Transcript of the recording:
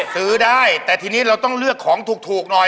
ซื้อได้แต่ทีนี้เราต้องเลือกของถูกหน่อย